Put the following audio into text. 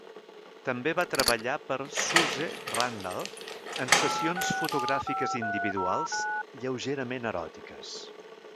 També va treballar per Suze Randall en sessions fotogràfiques individuals lleugerament eròtiques.